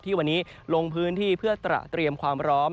วันนี้ลงพื้นที่เพื่อตระเตรียมความพร้อม